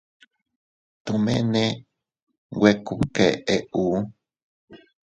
Tomene nwe kubkéʼuu.